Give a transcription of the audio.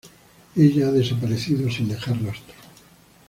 Ella ha desaparecido sin dejar rastro.